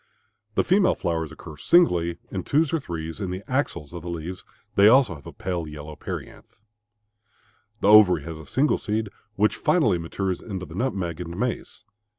The female flowers occur singly, in twos or threes, in the axils of the leaves; they also have a pale yellow perianth. The ovary has a single seed which finally matures into the nutmeg and mace.